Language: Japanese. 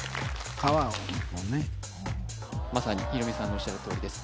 まさにヒロミさんのおっしゃるとおりです